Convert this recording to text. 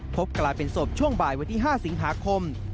พบกลายเป็นศพช่วงบ่ายวันที่๕สิงหาคม